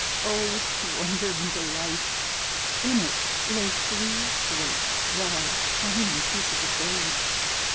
Oh, wonder and delight! In it lay three great, broad, shining pieces of gold!